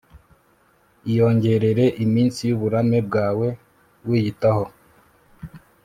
Iyongerere iminsi yuburame bwawe wiyitaho